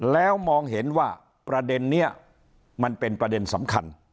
แล้วมองเห็นว่าประเด็นนี้มันเป็นประเด็นสำคัญ